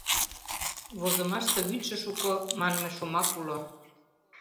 Возымаште «вӱдшӧ» шуко манме шомак уло.